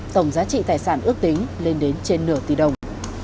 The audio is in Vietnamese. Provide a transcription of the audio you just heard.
tổng giá trị tài sản ước tính lên đến trên nửa tỷ đồng